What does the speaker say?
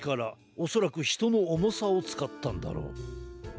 おそらくひとのおもさをつかったんだろう。